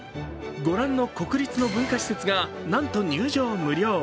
ご覧の国立の文化施設がなんと入場無料。